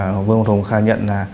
học viên học thống khai nhận là